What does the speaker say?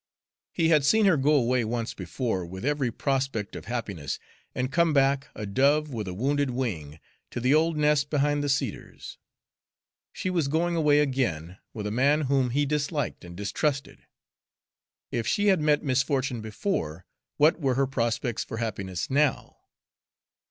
He had seen her go away once before with every prospect of happiness, and come back, a dove with a wounded wing, to the old nest behind the cedars. She was going away again, with a man whom he disliked and distrusted. If she had met misfortune before, what were her prospects for happiness now?